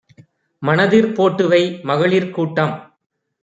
மனதிற் போட்டுவை; மகளிற் கூட்டம்